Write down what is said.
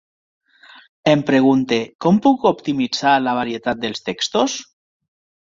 Em pregunte: com puc optimitzar la varietat dels textos?